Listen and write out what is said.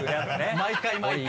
毎回毎回。